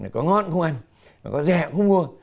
có ngon không ăn có rẻ không mua